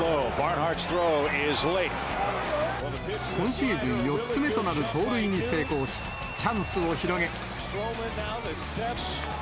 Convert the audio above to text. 今シーズン４つ目となる盗塁に成功し、チャンスを広げ。